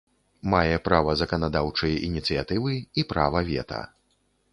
Мае права заканадаўчай ініцыятывы і права вета.